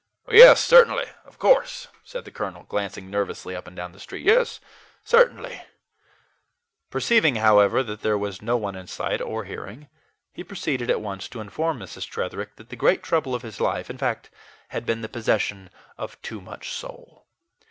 "Yes, certainly, of course," said the colonel, glancing nervously up and down the street "yes, certainly." Perceiving, however, that there was no one in sight or hearing, he proceeded at once to inform Mrs. Tretherick that the great trouble of his life, in fact, had been the possession of too much soul.